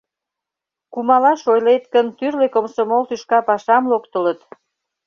Кумалаш ойлет гын, тӱрлӧ комсомол тӱшка пашам локтылыт.